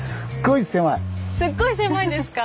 すっごい狭いですか？